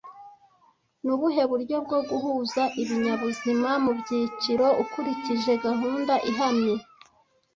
Ni ubuhe buryo bwo guhuza ibinyabuzima mu byiciro ukurikije gahunda ihamye